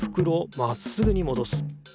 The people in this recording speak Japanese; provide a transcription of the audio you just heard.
まっすぐにもどす。